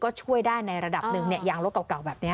ก็ช่วยได้ในระดับหนึ่งเนี้ยอย่างโลกเก่าเก่าแบบเนี้ย